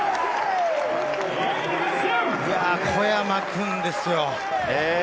小山君ですよ。